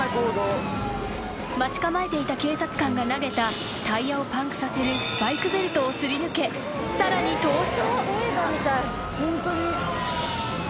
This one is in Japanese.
［待ち構えていた警察官が投げたタイヤをパンクさせるスパイクベルトを擦り抜けさらに逃走］